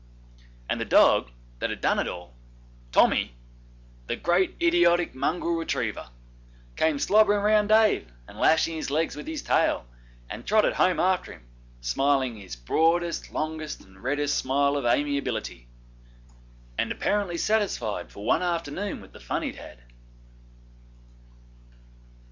And the dog that had done it all, 'Tommy', the great, idiotic mongrel retriever, came slobbering round Dave and lashing his legs with his tail, and trotted home after him, smiling his broadest, longest, and reddest smile of amiability, and apparently satisfied for one afternoon with the fun he'd had.